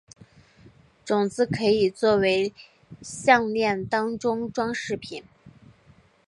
种子可以作成项炼当作装饰品。